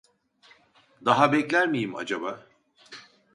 Daha bekler miyim acaba